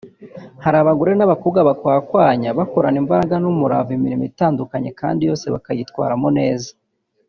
hari abagore n’abakobwa bakwakwanya (bakorana imbaraga n’umurava) imirimo itandukanye kandi yose bakayitwaramo neza